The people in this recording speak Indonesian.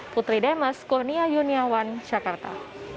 putri demas kurnia yuniawan jakarta